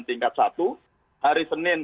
tingkat satu hari senin